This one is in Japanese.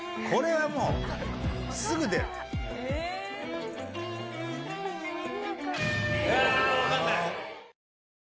これはもうすぐ出る。